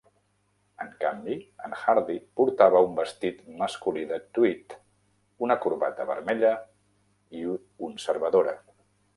En canvi, en Hardie portava un vestit masculí de tweed, una corbata vermella i un cervadora.